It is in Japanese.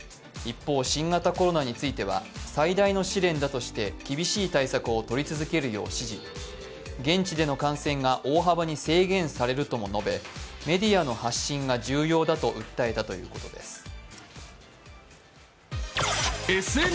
一方、新型コロナについては最大の試練だとして厳しい対策をとりつづけるよう指示現地での観戦が大幅に制限されるとも述べメディアの発信が重要だと訴えたということです。